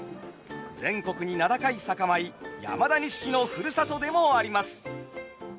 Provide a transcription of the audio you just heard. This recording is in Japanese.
全国に名高い酒米山田錦のふるさとでもあります。